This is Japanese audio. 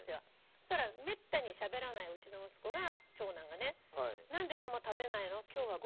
そしたらめったにしゃべらないうちの息子が長男がね。って言ったの。